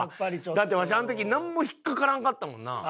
だってわしあん時なんも引っかからんかったもんな。